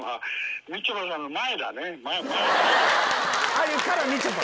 あゆからみちょぱ。